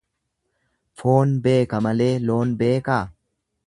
Foon beeka malee loon beekaa?